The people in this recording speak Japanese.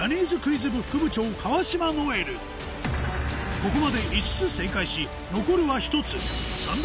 ここまで５つ正解し残るは１つ最後Ｃ！